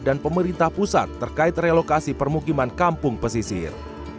dan pemerintah pusat terkait relokasi permukiman kampung pesisir